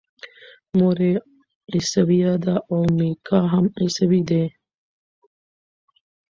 مور یې عیسویه ده او میکا هم عیسوی دی.